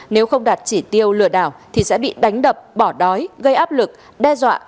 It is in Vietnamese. nếu không đạt chỉ tiêu lừa đảo thì sẽ bị đánh đập bỏ đói gây áp lực đe dọa